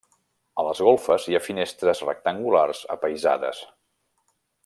A les golfes hi ha finestres rectangulars apaïsades.